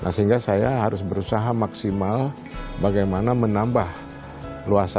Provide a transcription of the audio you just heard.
sehingga saya harus berusaha maksimal bagaimana menambah luasan